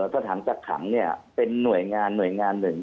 สถานกักขังเป็นหน่วยงานหน่วยงานหนึ่ง